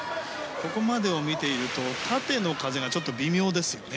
ここまでを見ていると縦の風が微妙ですよね。